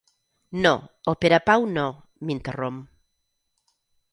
No, el Perepau no —m'interromp—.